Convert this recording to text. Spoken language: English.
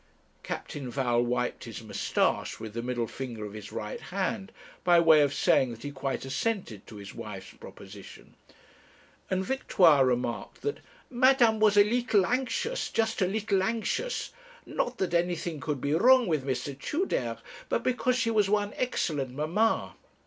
Captain Val wiped his moustache with the middle finger of his right hand, by way of saying that he quite assented to his wife's proposition; and Victoire remarked that 'Madame was a leetle anxious, just a leetle anxious; not that anything could be wrong with M. Tudere, but because she was one excellent mamma.'